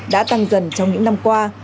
đã tăng dần trong những năm qua